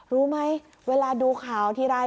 รู้ไหมเวลาดูข่าวทีไร